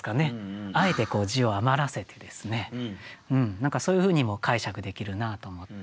何かそういうふうにも解釈できるなと思って。